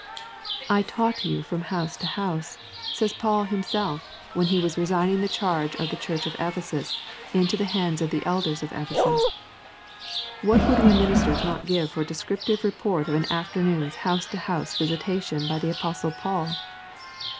'I taught you from house to house,' says Paul himself, when he was resigning the charge of the church of Ephesus into the hands of the elders of Ephesus. What would we ministers not give for a descriptive report of an afternoon's house to house visitation by the Apostle Paul!